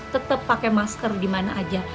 tetap pakai masker dimana aja